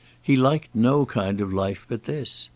He liked no kind of life but this.